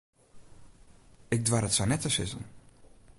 Ik doar it sa net te sizzen.